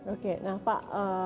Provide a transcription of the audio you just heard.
oke nah pak